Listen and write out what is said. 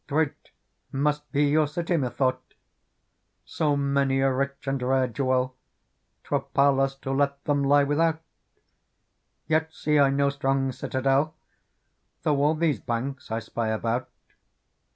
Great must be your city, methought. So many a rich and rare jewel, 'Twere parlous to let them lie without ; Yet see I no strong citadel. Though all these banks I spy about.